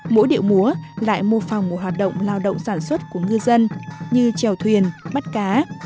mỗi điệu múa lại mô phòng một hoạt động lao động sản xuất của ngư dân như trèo thuyền bắt cá